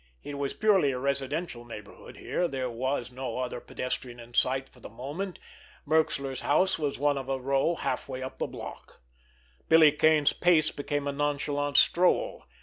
It was purely a residential neighborhood here. There was no other pedestrian in sight for the moment. Merxler's house was one of a row halfway up the block. Billy Kane's pace became a nonchalant stroll.